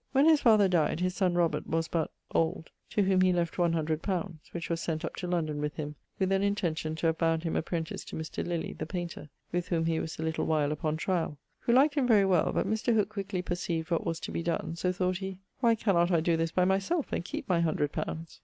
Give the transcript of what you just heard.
When his father dyed, his son Robert was but ... old, to whom he left one hundred pounds, which was sent up to London with him, with an intention to have bound him apprentice to Mr. Lilly, the paynter, with whom he was a little while upon tryall; who liked him very well, but Mr. Hooke quickly perceived what was to be donne, so, thought he, 'why cannot I doe this by my selfe and keepe my hundred pounds?'